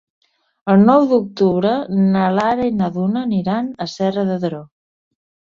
El nou d'octubre na Lara i na Duna aniran a Serra de Daró.